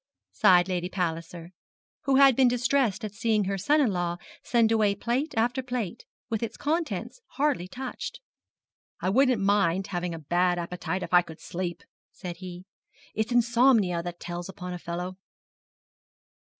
sighed Lady Palliser, who had been distressed at seeing her son in law send away plate after plate, with its contents hardly touched. 'I wouldn't mind having a bad appetite if I could sleep, said he; 'it's insomnia that tells upon a fellow.'